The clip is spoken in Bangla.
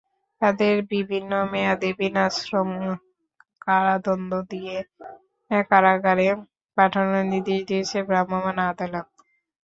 তাঁদের বিভিন্ন মেয়াদে বিনাশ্রম কারাদণ্ড দিয়ে কারাগারে পাঠানোর নির্দেশ দিয়েছেন ভ্রাম্যমাণ আদালত।